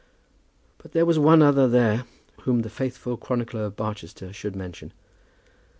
But there was one other there whom the faithful chronicler of Barchester should mention.